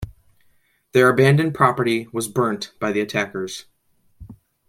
Their abandoned property was burnt by the attackers.